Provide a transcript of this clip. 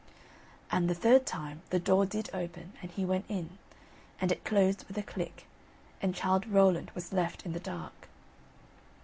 And the third time the door did open, and he went in, and it closed with a click, and Childe Rowland was left in the dark.